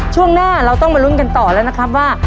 ช่วงหน้าเราต้องมาลุ้นกันต่อแล้วนะครับว่า